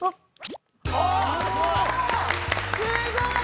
すごい！